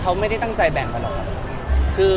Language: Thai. เขาไม่ได้ตั้งใจแบ่งหน่อย